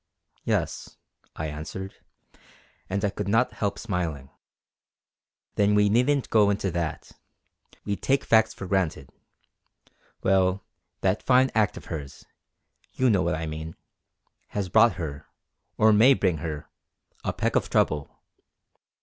"Yes," I answered, and I could not help smiling. "Then we needn't go into that. We take facts for granted. Well, that fine act of hers you know what I mean has brought her, or may bring her, a peck of trouble.